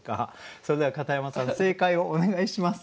それでは片山さん正解をお願いします。